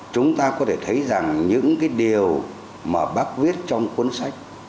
chúng ta có thể thấy rằng những cái điều mà bác viết trong cuốn sách